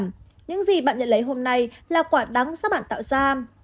những gì bạn nhận lấy hôm nay là quả đắng do bạn tạo ra